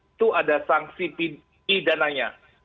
itu ada sanksi pindahkan dananya